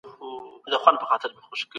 نوی نسل بايد د رښتينې مطالعې فرهنګ عام کړي.